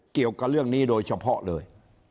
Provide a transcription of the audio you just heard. เกี่ยวกับเรื่องนี้โดยเฉพาะเลย